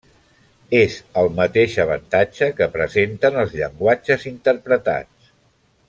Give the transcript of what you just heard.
És el mateix avantatge que presenten els llenguatges interpretats.